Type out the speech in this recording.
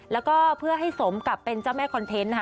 แล้วก็เพื่อให้สมกับเป็นเจ้าแม่คอนเทนต์นะคะ